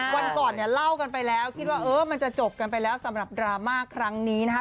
วันก่อนเนี่ยเล่ากันไปแล้วคิดว่าเออมันจะจบกันไปแล้วสำหรับดราม่าครั้งนี้นะคะ